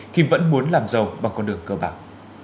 khi vẫn muốn làm giàu bằng con đường cờ bạc